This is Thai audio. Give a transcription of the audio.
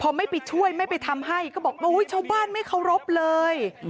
พอไม่ไปช่วยไม่ไปทำให้ก็บอกโอ้ยชาวบ้านไม่เคารพเลย